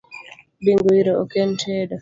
Bingo iro ok en tedo